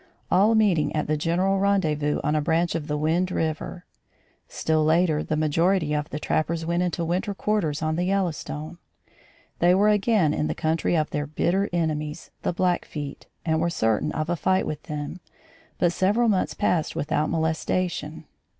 All meeting at the general rendezvous on a branch of the Wind River. Still later, the majority of the trappers went into winter quarters on the Yellowstone. They were again in the country of their bitter enemies, the Blackfeet, and were certain of a fight with them; but several months passed without molestation.